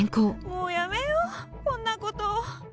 もうやめようこんなこと